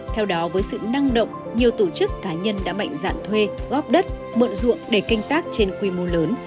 theo đó với sự năng động nhiều tổ chức cá nhân đã mạnh dạn thuê góp đất mượn ruộng để canh tác trên quy mô lớn